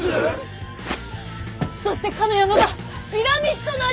そしてかの山がピラミッドなり！